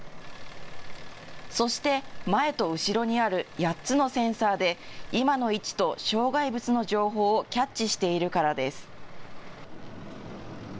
そして前と後ろにある８つのセンサーで今の位置と障害物の情報をキャッチしているからです。